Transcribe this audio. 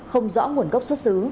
không rõ nguồn gốc xuất xứ